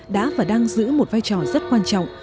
đã và đang giữ một vai trò rất quan trọng